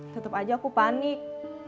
tetep aja aku panik